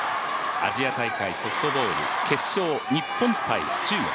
アジア大会ソフトボール決勝、日本×中国。